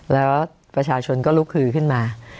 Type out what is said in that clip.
แล้วประชาชนก็ลุกฮือขึ้นมา